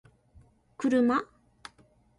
kuruma